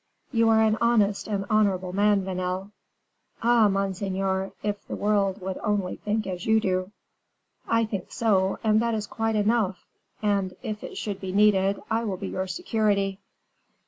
"You are an honest and honorable man, Vanel." "Ah! monseigneur, if the world would only think as you do!" "I think so, and that is quite enough; and if it should be needed, I will be your security."